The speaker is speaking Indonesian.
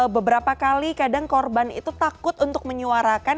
beberapa kali kadang korban itu takut untuk menyuarakan